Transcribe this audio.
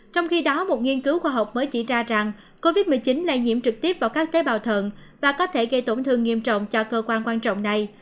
trong khi đó một nghiên cứu khoa học mới chỉ ra rằng covid một mươi chín lây nhiễm trực tiếp vào các tế bào thận và có thể gây tổn thương nghiêm trọng cho cơ quan quan trọng này